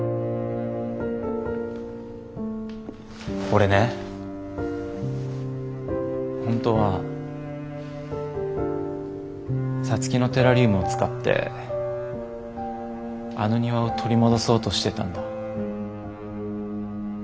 俺ね本当は皐月のテラリウムを使ってあの庭を取り戻そうとしてたんだ。